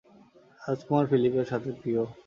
রাজকুমার ফিলিপের সাথে, প্রিয়।